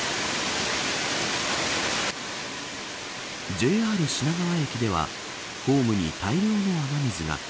ＪＲ品川駅ではホームに大量の雨水が。